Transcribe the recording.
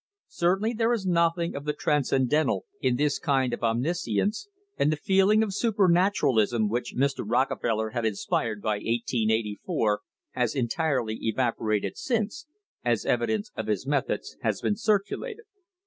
Certainly there is nothing of the transcendental in this kind of omniscience, and the feeling of supernaturalism which Mr. Rockefeller had inspired by 1884 has entirely evaporated since, as evidence of his methods has been circulated.